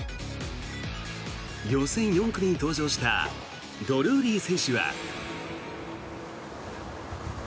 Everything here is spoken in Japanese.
予選４組に登場したドルーリー選手は。